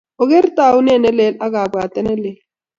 Oker taunet nelel ak kapwatet ne lel.